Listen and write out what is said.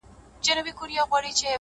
د وخت پاچا زما اته ي دي غلا كړي ـ